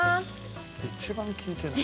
一番聞いてない。